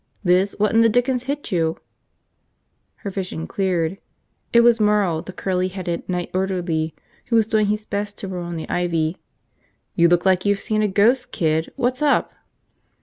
"Liz, what in the dickens hit you?" Her vision cleared. It was Merle, the curly headed night orderly, who was doing his best to ruin the ivy. "You look like you've seen a ghost, kid. What's up?"